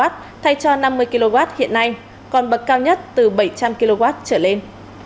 bậc rẻ nhất tính cho hộ gia đình dùng dưới một trăm linh kw hiện nay còn bậc cao nhất từ bảy trăm linh kw trở lên